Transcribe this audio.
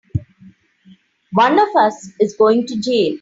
One of us is going to jail!